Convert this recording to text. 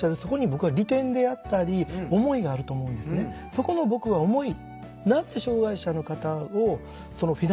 そこの僕は思い。